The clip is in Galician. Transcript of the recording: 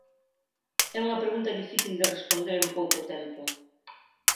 É unha pregunta difícil de responder en pouco tempo.